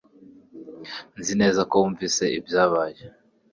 Nzi neza ko wumvise ibyabaye